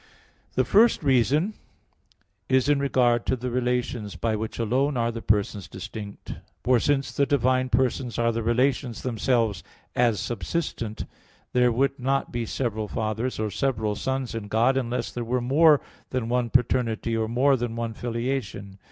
The first reason is in regard to the relations by which alone are the Persons distinct. For since the divine Persons are the relations themselves as subsistent, there would not be several Fathers, or several Sons in God, unless there were more than one paternity, or more than one filiation.